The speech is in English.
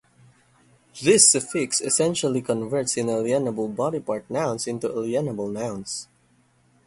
This suffix essentially converts inalienable body-part nouns into alienable nouns.